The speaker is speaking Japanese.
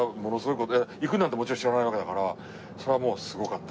行くなんてもちろん知らないわけだからそれはもうすごかった。